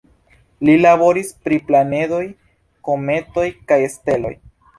Li laboris pri planedoj, kometoj kaj steloj.